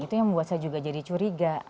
itu yang membuat saya juga jadi curiga